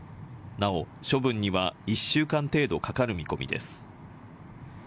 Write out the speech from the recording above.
なお処分には１週間程度かかる見込みです。